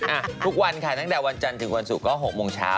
อ่ะทุกวันค่ะตั้งแต่วันจันทร์ถึงวันศุกร์ก็๖โมงเช้า